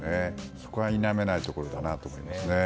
そこは、いなめないところかなと思いますね。